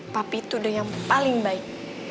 papi itu udah yang paling baik